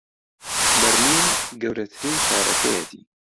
بەرلین گەورەترین شارەکەیەتی